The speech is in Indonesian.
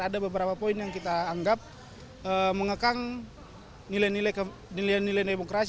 ada beberapa poin yang kita anggap mengekang nilai nilai demokrasi